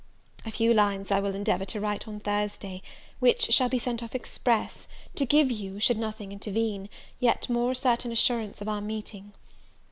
A few lines I will endeavour to write on Thursday, which shall be sent off express, to give you, should nothing intervene, yet more certain assurance of our meeting.